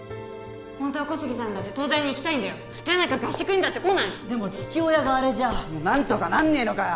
ホントは小杉さんだって東大に行きたいんだよじゃなきゃ合宿にだって来ないでも父親があれじゃもう何とかなんねえのかよ！